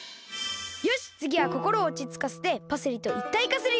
よしつぎはこころをおちつかせてパセリといったいかするよ！